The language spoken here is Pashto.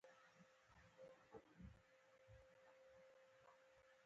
هلک په وېره کښیناست.